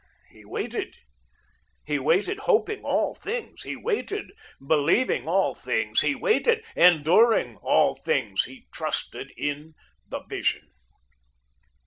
He waited. He waited, hoping all things. He waited, believing all things. He waited, enduring all things. He trusted in the Vision.